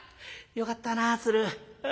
よかったな鶴。